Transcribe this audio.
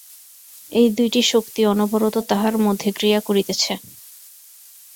এই দুইটি শক্তি অনবরত তাহার মধ্যে ক্রিয়া করিতেছে।